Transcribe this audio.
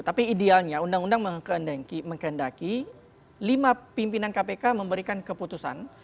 tapi idealnya undang undang mengkendaki lima pimpinan kpk memberikan keputusan